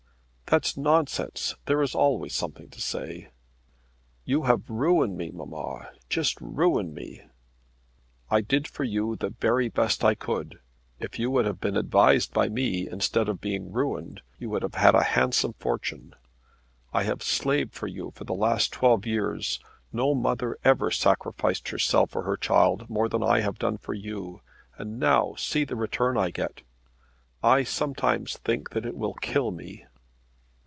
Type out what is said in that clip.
"That's nonsense. There is always something to say." "You have ruined me, mamma; just ruined me." "I did for you the very best I could. If you would have been advised by me, instead of being ruined, you would have had a handsome fortune. I have slaved for you for the last twelve years. No mother ever sacrificed herself for her child more than I have done for you, and now see the return I get. I sometimes think that it will kill me."